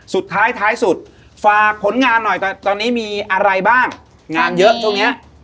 สุดท้ายท้ายสุดฝากผลงานหน่อยตอนนี้มีอะไรบ้างงานเยอะช่วงเนี้ย